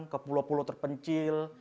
ke pulau pulau terpencil